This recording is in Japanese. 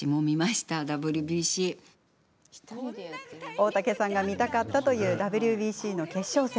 大竹さんが見たかったというＷＢＣ決勝戦。